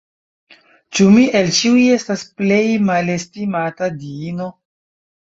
Ĉu mi el ĉiuj estas plej malestimata diino?